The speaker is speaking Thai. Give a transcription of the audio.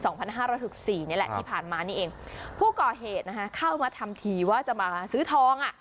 ๒๕๖๔นี่แหละที่ผ่านมานี่เองผู้ก่อเหตุเข้ามาทำทีว่าจะมาซื้อทอง